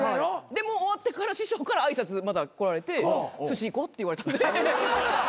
でも終わってから師匠から挨拶また来られてすし行こうって言われたんで。